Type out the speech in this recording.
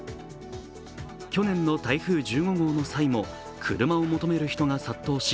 去年の台風１５号の際も車を求める人が殺到し、